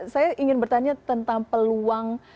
saya ingin bertanya tentang peluang